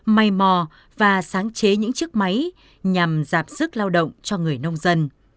may mò và sáng chế những chiếc máy nhằm giảm sức lao động cho người nông dân